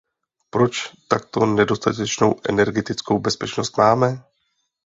Proč takto nedostatečnou energetickou bezpečnost máme?